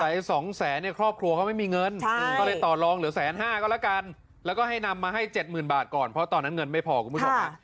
สองแสนเนี่ยครอบครัวเขาไม่มีเงินก็เลยต่อลองเหลือแสนห้าก็แล้วกันแล้วก็ให้นำมาให้๗๐๐บาทก่อนเพราะตอนนั้นเงินไม่พอคุณผู้ชม